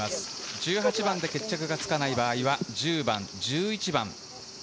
１８番で決着がつかない場合は、１０番、１１番。